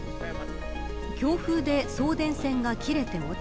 強風で送電線が切れて落ち